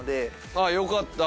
あっよかった。